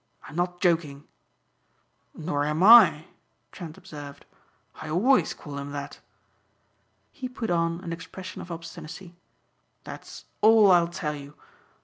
I'm not joking." "Nor am I," Trent observed, "I always call him that." He put on an expression of obstinacy. "That's all I'll tell you.